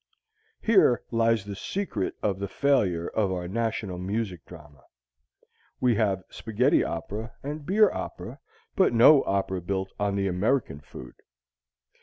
Here lies the secret of the failure of our national music drama we have spaghetti opera and beer opera, but no opera built on an American food.